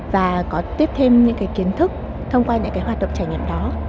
và có tiếp thêm những kiến thức thông qua những hoạt động trải nghiệm đó